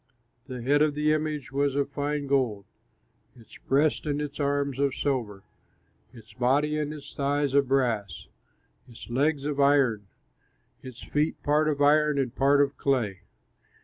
The head of the image was of fine gold, its breast and its arms of silver, its body and its thighs of brass, its legs of iron, its feet part of iron and part of clay.